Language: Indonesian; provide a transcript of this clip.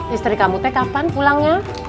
istri kamu teh kapan pulangnya